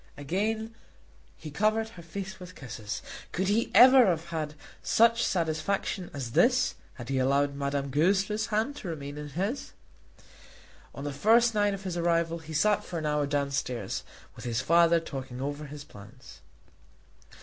Again he covered her face with kisses. Could he ever have had such satisfaction as this had he allowed Madame Goesler's hand to remain in his? On the first night of his arrival he sat for an hour downstairs with his father talking over his plans.